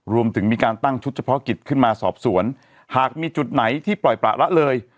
รวมถึงมีการตั้งชุดเฉพาะกิจขึ้นมาสอบสวนหากมีจุดไหนที่ปล่อยประละเลย